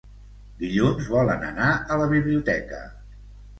Dilluns volen anar a la biblioteca.